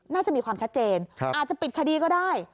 น่าจะมีความชัดเจนอาจจะปิดคดีก็ได้